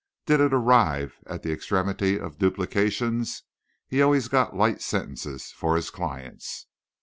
Did it arrive at the extremity of duplications, he always got light sentences for his clients.